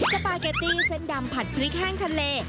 สปาเกตตี้เส้นดำผัดพริกแห้งทะเล